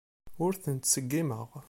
Ur ten-ttṣeggimeɣ.